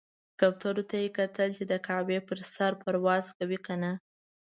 کوترو ته یې کتل چې د کعبې پر سر پرواز کوي کنه.